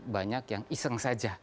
banyak yang iseng saja